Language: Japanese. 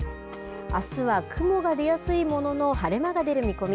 あすは雲が出やすいものの晴れ間が出る見込み。